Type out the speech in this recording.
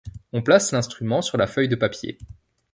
On place l'instrument sur la feuille de papier.